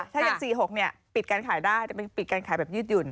ถ้าอย่าง๔๖ปิดการขายได้ปิดการขายแบบยืดหยุ่น